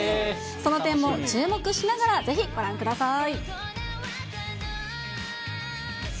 その点も注目しながらぜひご覧ください。